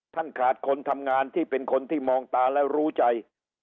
ขาดคนทำงานที่เป็นคนที่มองตาแล้วรู้ใจ